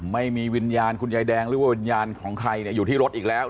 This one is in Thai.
ไม่มีวิญญาณคุณยายแดงหรือว่าวิญญาณของใครอยู่ที่รถอีกแล้ว